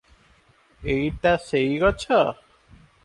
ଏଇଟା ସେଇ ଗଛ ।